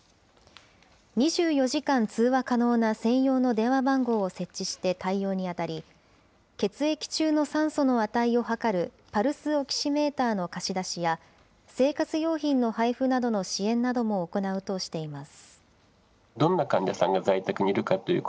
２４時間通話可能な専用の電話番号を設置して対応に当たり、血液中の酸素の値を測るパルスオキシメーターの貸し出しや、生活用品の配布などの支援なども行うとしています。